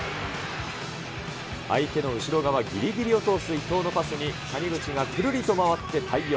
相手の後ろ側ぎりぎりを通す伊藤のパスに、谷口がくるりと回って対応。